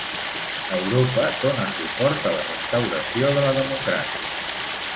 Europa dóna suport a la restauració de la democràcia.